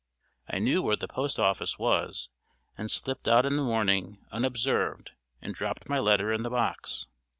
I knew where the post office was, and slipped out in the morning unobserved and dropped my letter in the box.